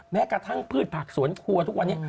แม้กระทั่งพืชผักสวนครัวทุกวันนี้